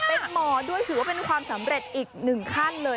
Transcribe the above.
เป็นหมอด้วยถือว่าเป็นความสำเร็จอีกหนึ่งขั้นเลย